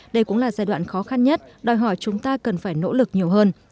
đây cũng là giai đoạn khó khăn nhất đòi hỏi chúng ta cần phải nỗ lực nhiều hơn